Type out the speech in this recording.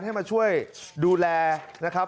ให้มาช่วยดูแลนะครับ